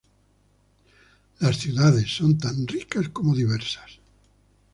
Las ciudades son tan ricas como diversas.